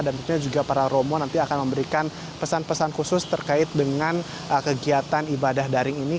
dan tentunya juga para romo nanti akan memberikan pesan pesan khusus terkait dengan kegiatan ibadah daring ini